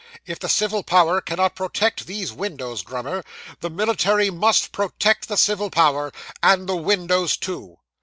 If the civil power cannot protect these windows, Grummer, the military must protect the civil power, and the windows too.